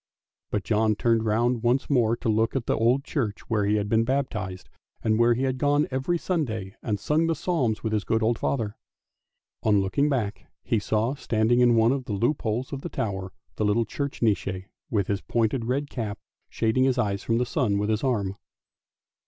" but John turned round once more to look at the old church where he had been baptised, and where he had gone every Sunday and sung the psalms with his good old father. On looking back he saw standing in one of the loop holes of the tower the little church Nisse with his pointed red cap, shading his eyes from the sun with his arm.